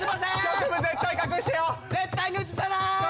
局部絶対隠してよ絶対に映さない！